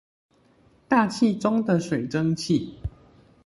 大氣中的水蒸氣